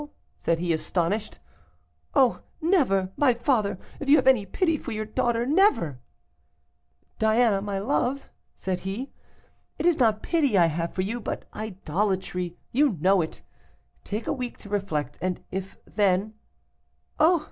said he, astonished. 'Oh! never, my father, if you have any pity for your daughter, never ' "'Diana, my love,' said he, 'it is not pity I have for you, but idolatry; you know it; take a week to reflect, and if then ' "'Oh!